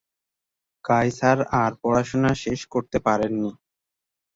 কায়সার আর পড়াশোনা শেষ করতে পারেন নি।